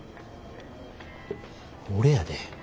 俺やで？